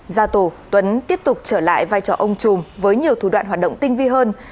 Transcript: ra tù tuấn tiếp tục trở lại vai trò ông trùm với nhiều thủ đoạn hoạt động tinh vi hơn